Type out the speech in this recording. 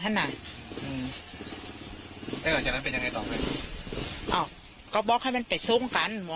อ้าวก็บอกให้มันไปซุ่งกัน